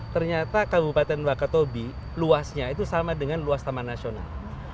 ternyata kabupaten wakatobi luasnya itu sama dengan luas taman nasional